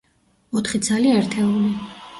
ოთხი ცალი ერთეული.